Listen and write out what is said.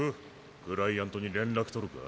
クライアントに連絡とるか？